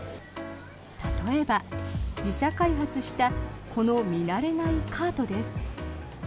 例えば、自社開発したこの見慣れないカートです。